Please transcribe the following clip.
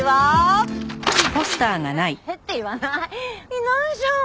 いないじゃん！